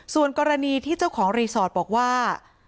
ส่วนกรณีที่เจ้าของโทรศัพท์บอกว่า